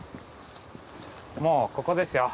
もうここですよ。